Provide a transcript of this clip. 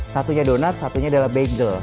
satunya donat satunya adalah bagel